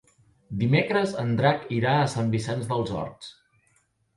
Dimecres en Drac irà a Sant Vicenç dels Horts.